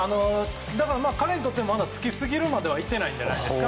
彼にとってまだ、つきすぎるまではいってないんじゃないですか。